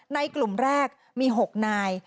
กลุ่มแรกมี๖นาย